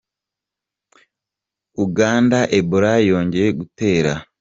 Uganda Ebola yongeye gutera